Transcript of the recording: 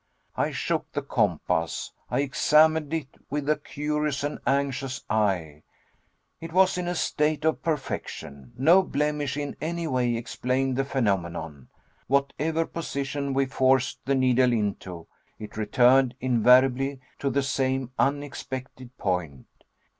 I shook the compass; I examined it with a curious and anxious eye. It was in a state of perfection. No blemish in any way explained the phenomenon. Whatever position we forced the needle into, it returned invariably to the same unexpected point.